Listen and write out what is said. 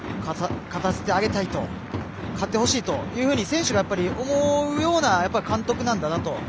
勝たせてあげたいと勝ってほしいと選手が思うような監督なんだなと。